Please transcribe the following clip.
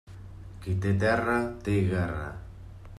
Qui té terra, té guerra.